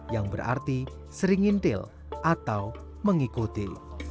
yang berarti sering ngintil atau mengikuti